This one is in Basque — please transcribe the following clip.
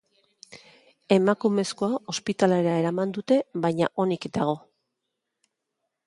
Emakumezkoa ospitalera eraman dute, baina onik dago.